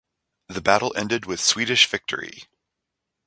The battle ended with Swedish victory.